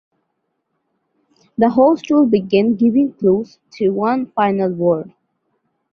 The host will begin giving clues to one final word.